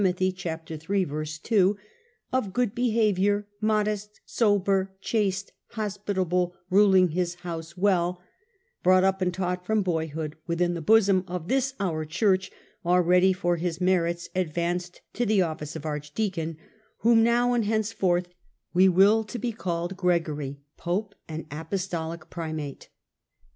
iii. 2), " of good behaviour, modest, sober, chaste, hospitable, ruling his house well," brought up and taught from boyhood within the bosom of this our Church, already for his merits advanced to the office of archdeacon, whom now and henceforth we will to be called Gregory, Pope and Apostolic Primate.'